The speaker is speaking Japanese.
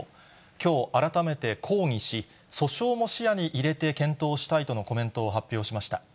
きょう、改めて抗議し、訴訟も視野に入れて検討したいとのコメントを発表しました。